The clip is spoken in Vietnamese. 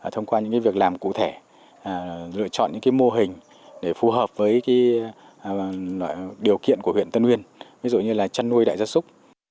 thông qua những việc làm cụ thể lựa chọn những mô hình để phù hợp với điều kiện của huyện tân uyên ví dụ như là chăn nuôi đại gia súc